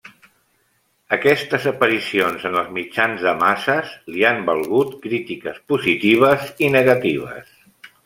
Aquestes aparicions en els mitjans de masses li han valgut crítiques positives i negatives.